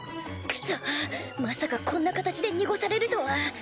クソッまさかこんな形で濁されるとは。